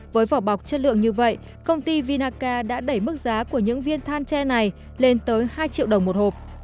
với vỏ bọc chất lượng như vậy công ty vinaca đã đẩy mức giá của những viên than tre này lên tới hai triệu đồng một hộp